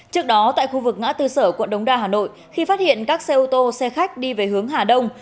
trước đó tại khu vực ngã tư sở quận đống đa hà nội khi phát hiện các xe ô tô xe khách đi về hướng hà đông